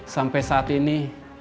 sampai saat ini